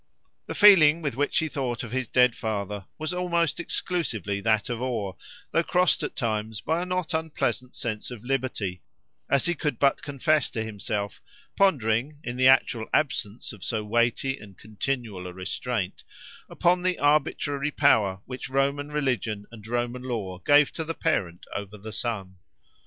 The feeling with which he thought of his dead father was almost exclusively that of awe; though crossed at times by a not unpleasant sense of liberty, as he could but confess to himself, pondering, in the actual absence of so weighty and continual a restraint, upon the arbitrary power which Roman religion and Roman law gave to the parent over the son.